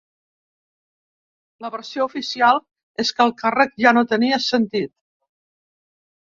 La versió oficial és que el càrrec ja no tenia sentit.